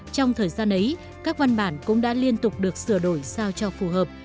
trong thời gian ấy các văn bản cũng đã liên tục được sửa đổi sao cho phù hợp